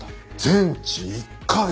「全治１カ月」！